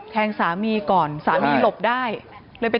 แทงสามีก่อนสามีหลบได้